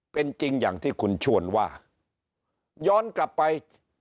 เป็นจริงอย่างที่คุณชวนว่าย้อนกลับไป